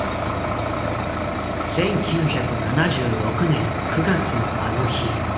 １９７６年９月のあの日。